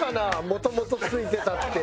もともと付いてたって。